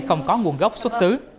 không có nguồn gốc xuất xứ